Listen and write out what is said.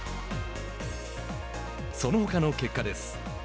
そのほかの結果です。